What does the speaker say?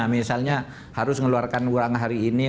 misalnya harus mengeluarkan uang hari ini